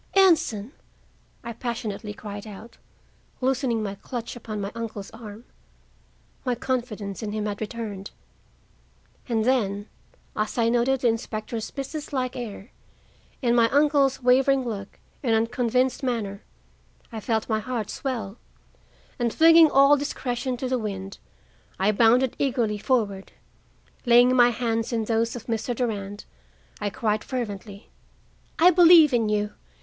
"Anson!" I passionately cried out, loosening my clutch upon my uncle's arm. My confidence in him had returned. And then, as I noted the inspector's businesslike air, and my uncle's wavering look and unconvinced manner, I felt my heart swell, and, flinging all discretion to the wind, I bounded eagerly forward. Laying my hands in those of Mr. Durand, I cried fervently: "I believe in you.